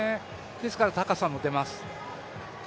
ですから高さも出ます。